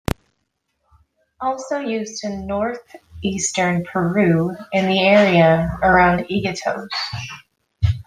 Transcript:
Also used in north-eastern Peru in the area around Iquitos.